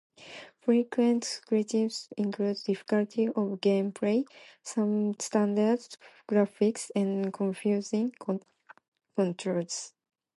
Frequent criticisms included difficulty of gameplay, substandard graphics and confusing controls.